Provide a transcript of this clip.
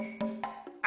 あ